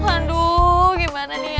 aduh gimana nih ya